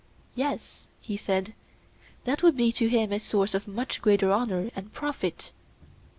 Yes, he said, that would be to him a source of much greater honour and profit.